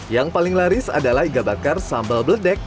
yang paling laris adalah iga bakar sambal bledek